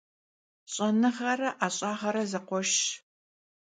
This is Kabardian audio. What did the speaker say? Ş'enığere 'eş'ağere zekhueşşş.